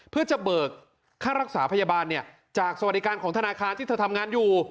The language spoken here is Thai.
เพื่อจะเบิกค่ารักษาพยาบาลจากสวัสดิการของธนาคารที่เธอทำงานอยู่